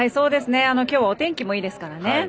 今日は天気もいいですね。